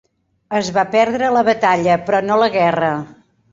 Es va perdre la batalla, però no la guerra.